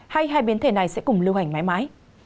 hay hai biến thể này sẽ cùng lưu hành mãi mãi